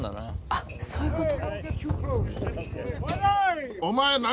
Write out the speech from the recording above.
あっそういうこと？